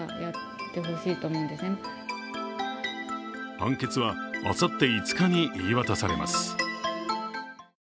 判決は、あさって５日に言い渡されます。